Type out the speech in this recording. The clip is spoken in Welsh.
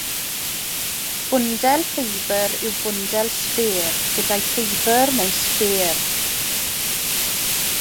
Bwndel ffibr yw “bwndel sffêr ” gyda'i ffibr mewn sffêr “n”-.